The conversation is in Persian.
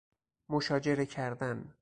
مشاجره کردن